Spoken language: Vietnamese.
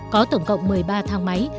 có tổng cộng một mươi ba thang máy